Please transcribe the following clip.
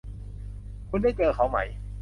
คุณได้เจอเขาไหม